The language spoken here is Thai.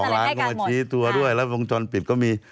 ร้านก็มาชี้ตัวด้วยแล้ววงจรปิดก็มี